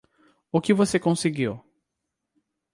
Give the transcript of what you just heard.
O que voce conseguiu?